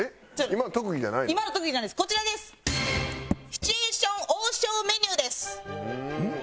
シチュエーション王将メニュー？